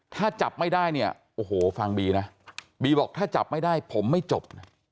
ถ้าจับไม่ได้เนี่ยโอ้โหฟังบีนะบีบอกถ้าจับไม่ได้ผมไม่จบนะ